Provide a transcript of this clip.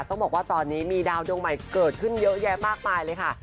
ต้องบอกว่าตอนนี้มีดาวดวงใหม่เกิดขึ้นเยอะแยะมากมายเลยค่ะ